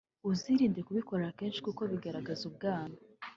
uzirinde kubikora kenshi kuko bigaragaza ubwana